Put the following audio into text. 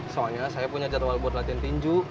soalnya saya punya jadwal buat latihan tinju